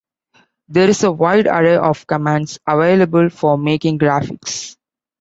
There is a wide array of commands available for making graphics.